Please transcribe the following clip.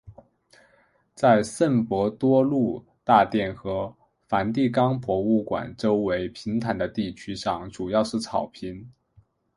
在圣伯多禄大殿和梵蒂冈博物馆周围平坦的地区上主要是草坪。